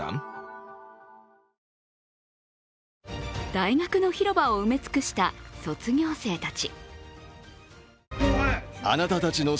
大学の広場を埋め尽くした卒業生たち。